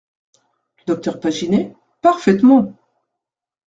Le docteur Paginet ?… parfaitement !…